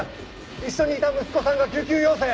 一緒にいた息子さんが救急要請。